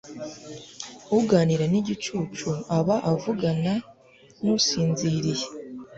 uganira n'igicucu aba avugana n'usinziriye